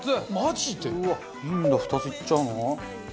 なんだ２ついっちゃうの？